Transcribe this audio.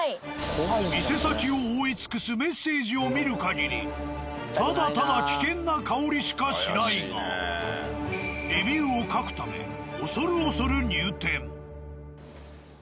店先を覆い尽くすメッセージを見る限りただただ危険な香りしかしないがレビューを書くため恐る恐る入店。